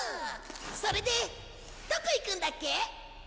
それでどこ行くんだっけ？